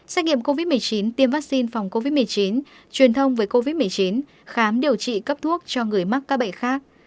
xét nghiệm covid một mươi chín tiêm vaccine phòng covid một mươi chín truyền thông về covid một mươi chín khám điều trị cấp thuốc cho người mắc các bệnh khác